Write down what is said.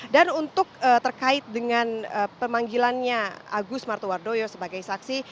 dan untuk terkait dengan pemanggilannya agus martowadoyo sebagai saksi